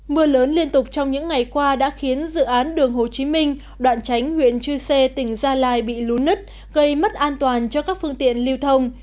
mưa lớn liên tục trong những ngày qua đã khiến dự án đường hồ chí minh đoạn tránh huyện chư sê tỉnh gia lai bị lún nứt gây mất an toàn cho các phương tiện lưu thông